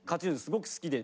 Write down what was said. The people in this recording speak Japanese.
すごく好きで。